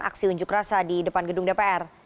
aksi unjuk rasa di depan gedung dpr